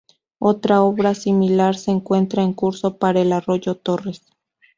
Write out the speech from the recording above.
Otra obra similar se encuentra en curso para el arroyo Torres.